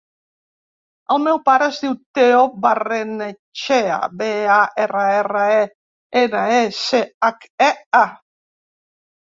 El meu pare es diu Theo Barrenechea: be, a, erra, erra, e, ena, e, ce, hac, e, a.